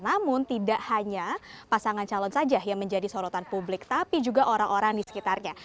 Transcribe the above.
namun tidak hanya pasangan calon saja yang menjadi sorotan publik tapi juga orang orang di sekitarnya